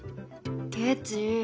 ケチ。